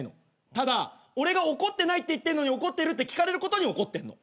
ただ俺が怒ってないって言ってんのに「怒ってる？」って聞かれることに怒ってんの。